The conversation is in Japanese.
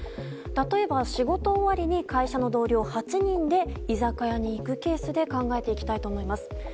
例えば、仕事終わりに会社の同僚８人で居酒屋に行くケースで考えていきたいと思います。